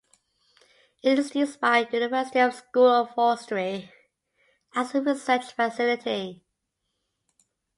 It is used by the university's School of Forestry as a research facility.